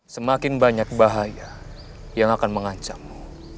semakin banyak bahaya yang akan mengancammu